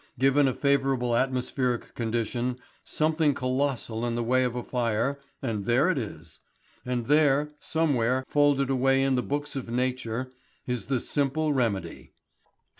Given a favourable atmospheric condition, something colossal in the way of a fire, and there it is. And there, somewhere folded away in the book of Nature, is the simple remedy.